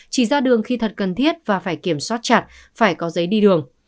chỉ ra đường khi thật cần thiết và phải kiểm soát chặt phải có giấy đi đường